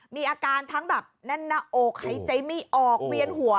มีอาการทั้งแบบนั่นนะโอเคใจไม่ออกเวียนหัว